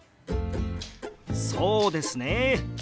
そうですね